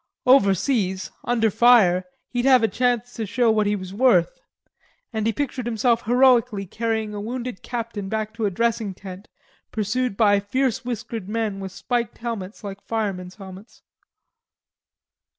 Overseas, under fire, he'd have a chance to show what he was worth; and he pictured himself heroically carrying a wounded captain back to a dressing tent, pursued by fierce whiskered men with spiked helmets like firemen's helmets.